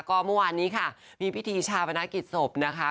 ก็เมื่อวานนี้ค่ะมีพิธีชาปนกิจศพนะคะ